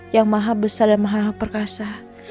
yang maha besar dan maha perkasa